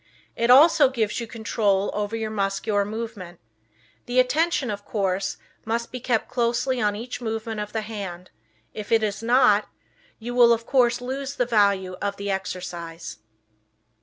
It also gives you control over your muscular movement. The attention, of course, must be kept closely on each movement of the hand; if it is not, you of course lose the value of the exercise.